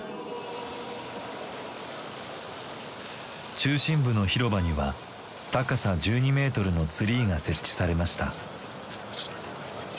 中心部の広場には高さ１２メートルのツリーが設置されました。